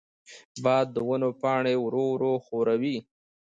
باد د ونو پاڼې ورو ورو ښوروي.